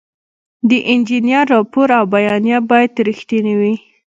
د انجینر راپور او بیانیه باید رښتینې وي.